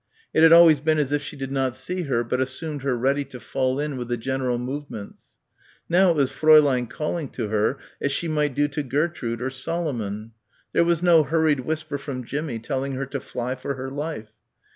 It had always been as if she did not see her but assumed her ready to fall in with the general movements. Now it was Fräulein calling to her as she might do to Gertrude or Solomon. There was no hurried whisper from Jimmie telling her to "fly for her life."